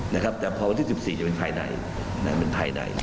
นะครับแต่พอวันที่สิบสี่จะเป็นภายในน่ะเป็นภายใน